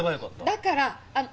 だから。